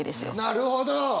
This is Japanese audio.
なるほど！